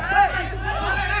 cias tunggu malikle